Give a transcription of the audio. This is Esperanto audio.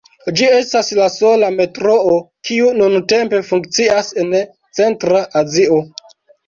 Ĝi estas la sola metroo kiu nuntempe funkcias en Centra Azio.